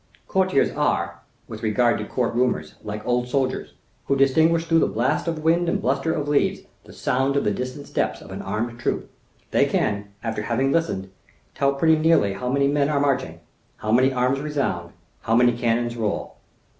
Courtiers are, with regard to court rumors, like old soldiers, who distinguish through the blasts of wind and bluster of leaves the sound of the distant steps of an armed troop. They can, after having listened, tell pretty nearly how many men are marching, how many arms resound, how many cannons roll.